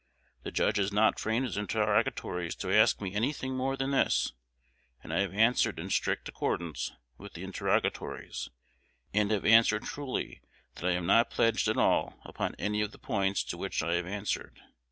The judge has not framed his interrogatories to ask me any thing more than this, and I have answered in strict accordance with the interrogatories, and have answered truly that I am not pledged at all upon any of the points to which I have answered.